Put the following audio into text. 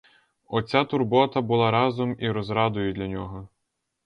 Оця турбота була разом і розрадою для нього.